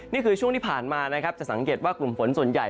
นี่คือช่วงที่ผ่านมาแสงเกตว่ากลุ่มฝนส่วนใหญ่